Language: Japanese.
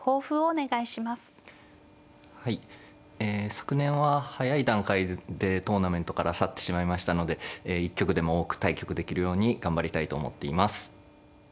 昨年は早い段階でトーナメントから去ってしまいましたので一局でも多く対局できるように頑張りたいと思っています。